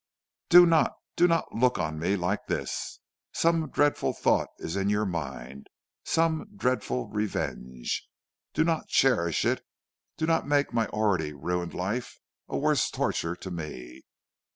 "'Do not do not look on me like this. Some dreadful thought is in your mind some dreadful revenge. Do not cherish it; do not make my already ruined life a worse torture to me.